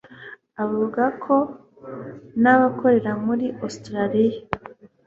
Avuga ko nk'abakorera muri Australia